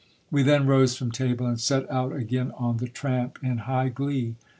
We then rose from table and set out again on the tramp in high glee.